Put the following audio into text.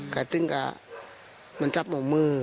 ก็ต้องเกลิ่นกะจับบางมือ